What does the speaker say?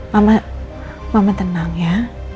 mama mama tenang ya